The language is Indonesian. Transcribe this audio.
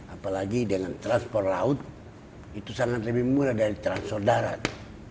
apalagi dengan transfer laut itu sangat lebih murah dari transfer darat